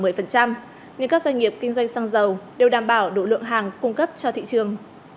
nên các doanh nghiệp kinh doanh xăng dầu đều đảm bảo đủ lượng hàng cung cấp cho thị trường